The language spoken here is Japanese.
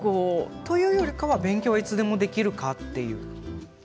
というよりかは勉強はいつでもできるという。